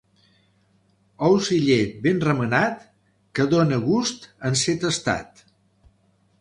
Ous i llet ben remenat que dóna gust en ser tastat.